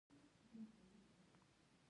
د زوال پۀ غم غمژن دے ۔